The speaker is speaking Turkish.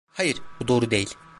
Hayır, bu doğru değil.